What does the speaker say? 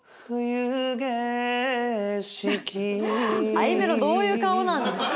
あいめろどういう顔なんですか？